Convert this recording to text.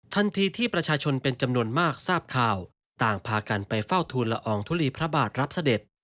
ทันทีที่ประชาชนเป็นจำนวนมากทราบข่าวต่างพากันไปเฝ้าทูลละอองทุลีพระบาทรับเสด็จ